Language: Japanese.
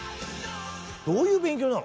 どういう勉強なの？